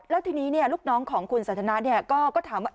แล้วทีนี้ลูกน้องของคุณสันทนาก็ถามว่า